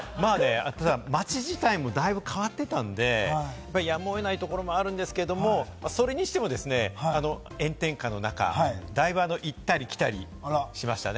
街自体もだいぶ変わっていたんで、やむを得ないところもあるんですけれども、それにしてもですね、炎天下の中、だいぶ行ったり来たりしましたね。